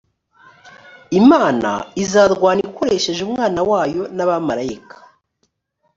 imana izarwana ikoresheje umwana wayo n abamarayika